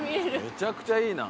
めちゃくちゃいいな。